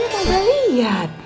kan dia nggak lihat